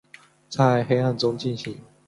在黑暗中进行